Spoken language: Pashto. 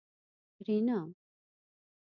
رینا